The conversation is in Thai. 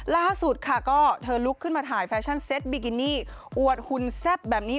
ล่าสุดค่ะก็เธอลุกขึ้นมาถ่ายแฟชั่นเซ็ตบิกินี่อวดหุ่นแซ่บแบบนี้